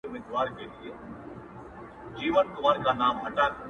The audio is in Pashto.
ما یې پر ګودر ټوټې لیدلي د بنګړیو،